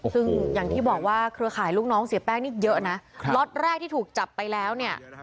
ซึ่งอย่างที่บอกว่าเครือข่ายลูกน้องเสียแป้งนี่เยอะนะล็อตแรกที่ถูกจับไปแล้วเนี่ย